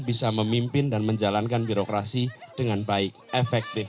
bisa memimpin dan menjalankan birokrasi dengan baik efektif